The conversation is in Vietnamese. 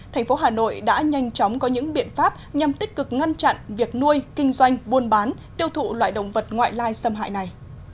thành phố hà nội đã nhanh chóng có những biện pháp nhằm tích cực ngăn chặn việc nuôi kinh doanh buôn bán tiêu thụ loại động vật ngoại lai xâm hại này